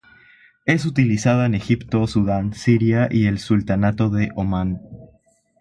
Es utilizada en Egipto, Sudan, Siria y el Sultanato de Omán.